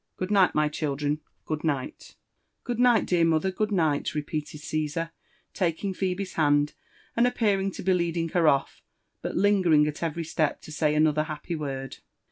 Good night, my children, good night I" '< Good night, dear mother 1 good night!" repeated Caesar, taking Phebe's hand, and appearing to be leading her off, but lingering at every step to say another happy word.